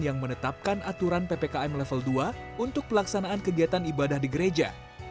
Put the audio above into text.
yang menetapkan aturan ppkm level dua untuk pelaksanaan kegiatan ibadah di gereja